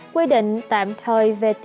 quy định tạm thời vệ trí